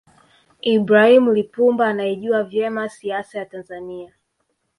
ibrahim Lipumba anaijua vyema siasa ya tanzania